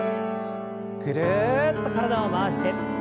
ぐるっと体を回して。